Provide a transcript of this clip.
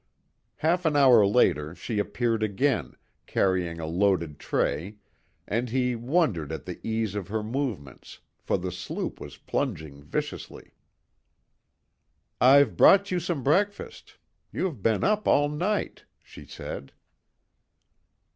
Half an hour later she appeared again, carrying a loaded tray, and he wondered at the ease of her movements, for the sloop was plunging viciously. "I've brought you some breakfast. You have been up all night," she said.